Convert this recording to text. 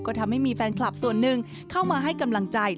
ก็ทำให้มีแฟนคลับส่วนหนึ่งเข้ามาให้กำลังใจ